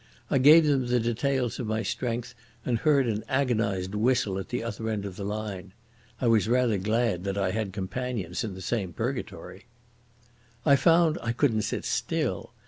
I gave them the details of my strength and heard an agonised whistle at the other end of the line. I was rather glad I had companions in the same purgatory. I found I couldn't sit still.